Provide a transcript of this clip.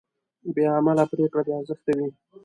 بېعمله پرېکړه بېارزښته وي.